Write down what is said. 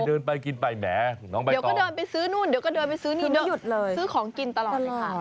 เดี๋ยวก็เดินไปซื้อนู่นเดี๋ยวก็เดินไปซื้อนี่ซื้อของกินตลอดเลยค่ะ